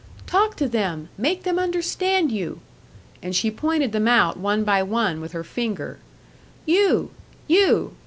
"Talk to them. Make them understand you!" And she pointed them out one by one with her finger: "You! You!